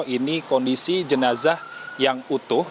ini kondisi jenazah yang utuh